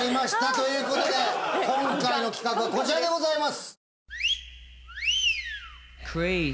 という事で今回の企画はこちらでございます。